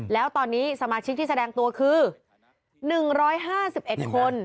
แล้วตอนนี้สมาชิกที่แสดงตัวคือ๑๕๑คน